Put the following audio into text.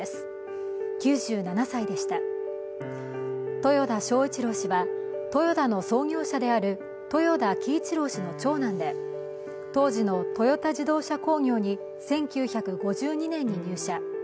豊田章一郎氏はトヨタの創業者である豊田喜一郎氏の長男で、当時のトヨタ自動車工業に１９５２年に入社。